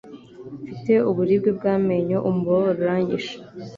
Mfite uburibwe bw'amenyo. Umubabaro uranyishe.